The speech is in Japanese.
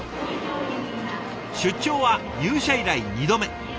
出張は入社以来２度目。